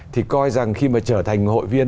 thì coi rằng khi mà trở thành hội viên